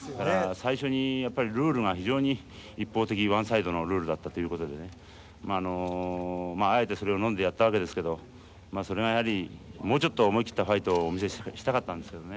最初にやっぱりルールが非常に一方的ワンサイドのルールだったという事でねあのあえてそれをのんでやったわけですけどまあそれがやはりもうちょっと思い切ったファイトをお見せしたかったんですけどね。